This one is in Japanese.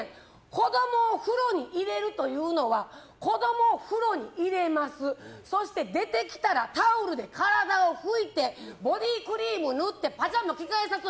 子供を風呂に入れるというのは子供を風呂に入れますそして出てきたらタオルで体を拭いてボディークリーム塗ってパジャマ着替えさす。